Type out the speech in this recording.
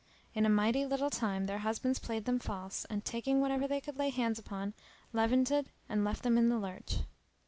In a mighty little time their husbands played them false and, taking whatever they could lay hands upon, levanted and left them in the lurch.